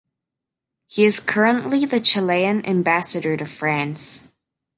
He is currently the Chilean ambassador to France.